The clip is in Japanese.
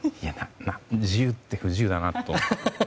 自由って不自由だなと。